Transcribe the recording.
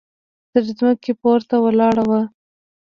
تر ځمکې پورته ولاړه وه.